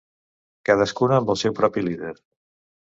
Cadascuna amb el seu propi líder.